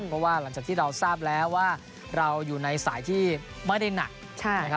เพราะว่าหลังจากที่เราทราบแล้วว่าเราอยู่ในสายที่ไม่ได้หนัก